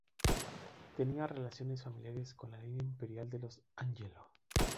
Tenía relaciones familiares con la línea imperial de los Ángelo.